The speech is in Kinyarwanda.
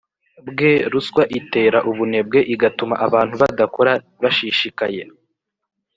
bwe. Ruswa itera ubunebwe, igatuma abantu badakora bashishikaye